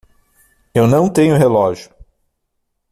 Eu não tenho relógio.